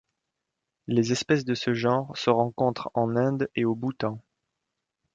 Les espèces de ce genre se rencontrent en Inde et au Bhoutan.